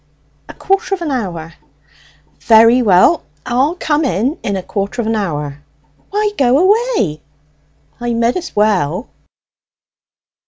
"A quarter of an hour." "Very well; I'll come in in a quarter of an hour." "Why go away?" "I mid as well."